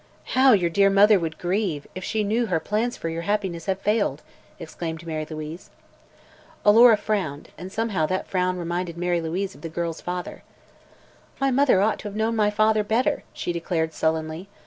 "How your dear mother would grieve, if she knew her plans for your happiness have failed!" exclaimed Mary Louise. Alora frowned, and somehow that frown reminded Mary Louise of the girl's father. "My mother ought to have known my father better," she declared sullenly.